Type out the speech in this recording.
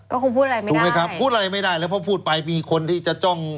ก็คงพูดอะไรไม่ได้ถูกไหมครับพูดอะไรไม่ได้แล้วเพราะพูดไปมีคนที่จะจ้อง